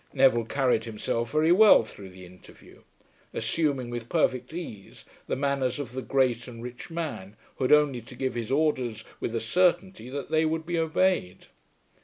Neville carried himself very well through the interview, assuming with perfect ease the manners of the great and rich man who had only to give his orders with a certainty that they would be obeyed.